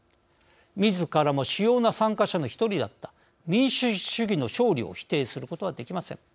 みずからも主要な参加者の一人だった「民主主義の勝利」を否定することはできません。